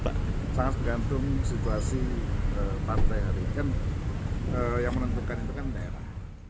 sangat bergantung situasi partai hari ini kan yang menentukan itu kan daerah